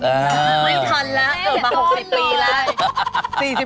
ไม่ทันแล้วเกิดมา๖๐ปีแล้ว